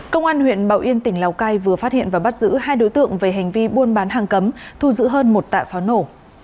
công an huyện bảo yên tỉnh lào cai vừa phát hiện và bắt giữ hai đối tượng về hành vi buôn bán hàng cấm thu giữ hơn một tạ pháo nổ